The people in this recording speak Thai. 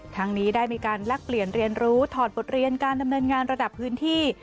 ทั้งนี้ได้มีการแลกเปลี่ยนเรียนรู้ถอดบทเรียนการดำเนินงานระดับพื้นที่